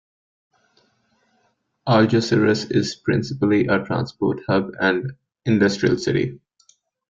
Algeciras is principally a transport hub and industrial city.